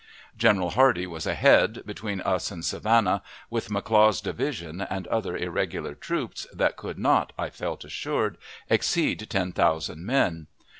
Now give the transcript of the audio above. General Hardee was ahead, between us and Savannah, with McLaw's division, and other irregular troops, that could not, I felt assured, exceed ten thousand men.